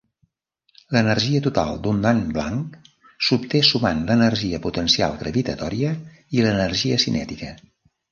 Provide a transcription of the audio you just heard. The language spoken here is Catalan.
L'energia total d'un nan blanc s'obté sumant l'energia potencial gravitatòria i l'energia cinètica.